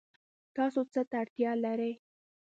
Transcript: تاسو څه ته اړتیا لرئ؟